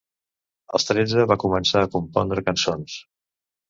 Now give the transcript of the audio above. Als tretze va començar a compondre cançons.